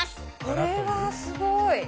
これはすごい！